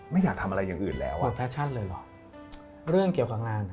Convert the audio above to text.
ไม่อยากทำอะไรอย่างอื่นแล้ว